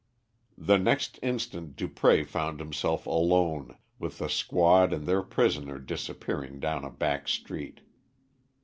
The next instant Dupré found himself alone, with the squad and their prisoner disappearing down a back street.